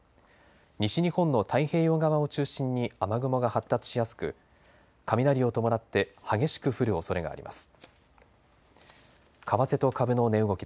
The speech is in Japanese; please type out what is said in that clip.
西日本の太平洋側を中心に雨雲が発達しやすく雷を伴って激しく降るおそれがあります。